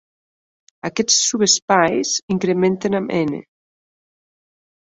Aquests subespais incrementen amb "n".